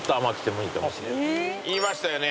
言いましたよね。